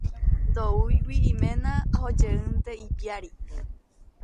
Ndoúigui iména, ohojeýndaje ipiári.